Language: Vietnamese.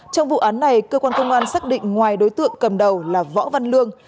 trong vụ án này cơ quan công an xác định ngoài đối tượng cầm đầu là võ văn lương